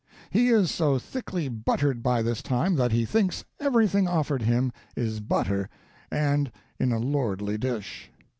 He is so thickly buttered by this time that he thinks everything offered him is butter, and in a lordly dish.